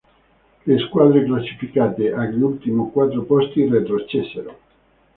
Le squadre classificate agli ultimi quattro posti retrocessero.